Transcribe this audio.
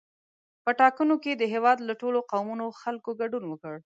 په ټاکنو کې د هېواد له ټولو قومونو خلکو ګډون وکړ.